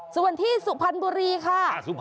ส่วนที่สุพรรณบุรีค่ะ